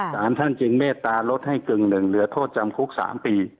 สารท่านจึงเมตตาลดให้กึ่งหนึ่งเหลือโทษจำคุก๓ปี